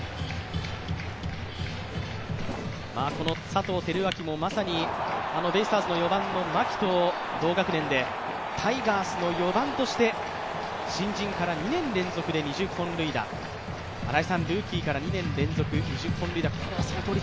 この佐藤輝明もまさにベイスターズの４番の牧と同学年で、タイガースの４番として新人から２年連続で２０本塁打、新井さん、ルーキーから２年連続、２０本塁打。